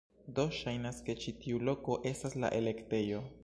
Do, ŝajnas ke ĉi tiu loko estas la elektejo